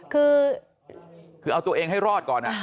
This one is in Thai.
คือเอาตัวเองให้รอดก่อน